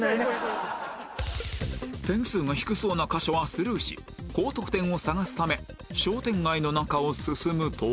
点数が低そうな箇所はスルーし高得点を探すため商店街の中を進むと